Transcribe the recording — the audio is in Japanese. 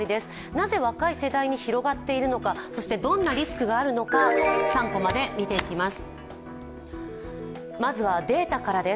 なぜ、若い世代に広がっているのかそしてどんなリスクがあるのか３コマで見ていきます。